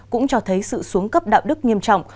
cũng cho thấy sự xuống cấp đạo đức nghiêm trọng